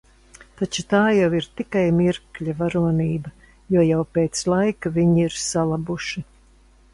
Taču tā jau ir tikai mirkļa varonība, jo jau pēc laika viņi ir salabuši.